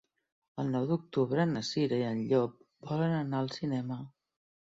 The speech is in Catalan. El nou d'octubre na Cira i en Llop volen anar al cinema.